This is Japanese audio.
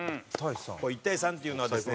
１対３っていうのはですね